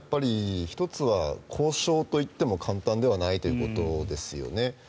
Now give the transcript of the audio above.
１つは交渉といっても簡単ではないということですね。